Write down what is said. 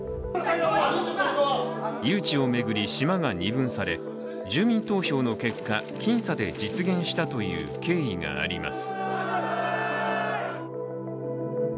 誘致を巡り島が二分され住民投票の結果僅差で実現したという経緯があります。